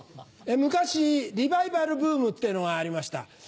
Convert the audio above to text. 昔リバイバルブームってのがありました。